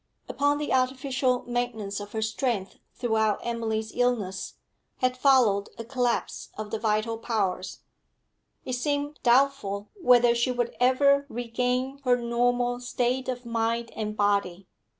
Upon the artificial maintenance of her strength throughout Emily's illness had followed a collapse of the vital powers; it seemed doubtful whether she would ever regain her normal state of mind and body.